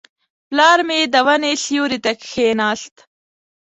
پلار مې د ونې سیوري ته کښېناست.